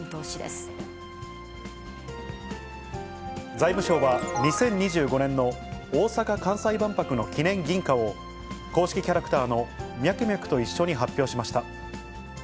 財務省は、２０２５年の大阪・関西万博の記念銀貨を、公式キャラクターのミャクミャクと一緒に発表しました。